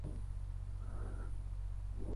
Al año siguiente repetirían clasificación.